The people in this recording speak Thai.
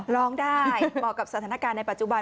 ร้องได้เหมาะกับสถานการณ์ในปัจจุบัน